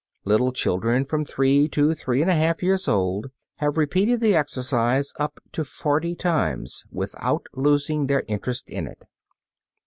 Little children from three to three and a half years old have repeated the exercise up to forty times without losing their interest in it.